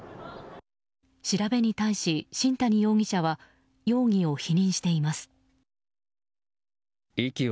調べに対し新谷容疑者は容疑を否認しています。